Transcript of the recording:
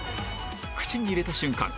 口に入れた瞬間